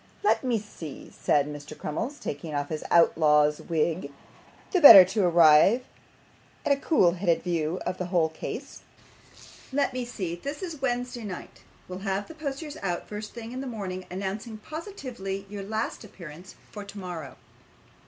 'Let me see,' said Mr. Crummles, taking off his outlaw's wig, the better to arrive at a cool headed view of the whole case. 'Let me see. This is Wednesday night. We'll have posters out the first thing in the morning, announcing positively your last appearance for tomorrow.